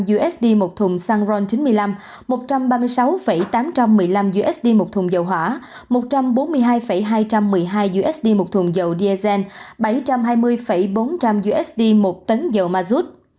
một trăm hai mươi bảy năm trăm linh usd một thùng xăng ron chín mươi năm một trăm ba mươi sáu tám trăm một mươi năm usd một thùng dầu hỏa một trăm bốn mươi hai hai trăm một mươi hai usd một thùng dầu diesel bảy trăm hai mươi bốn trăm linh usd một tấn dầu mazut